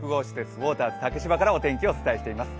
ウォーターズ竹芝からお伝えしています。